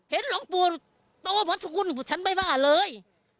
หลวงปู่โตเหมือนสกุลฉันไม่ว่าเลย